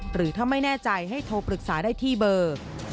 หรือถ้าไม่แน่ใจให้โทรปรึกษาได้ที่เบอร์